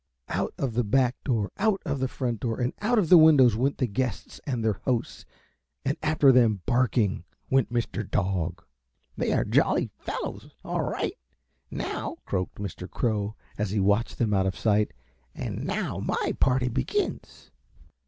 Out of the back door, out of the front door, and out of the windows went the guests and their hosts, and after them, barking, went Mr. Dog. "They are jolly fellows, all right, now," croaked Mr. Crow, as he watched them out of sight, "and now my party begins."